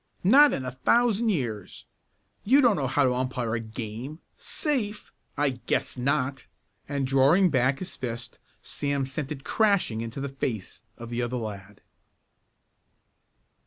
Not in a thousand years! You don't know how to umpire a game. Safe! I guess not!" and drawing back his fist Sam sent it crashing into the face of the other lad.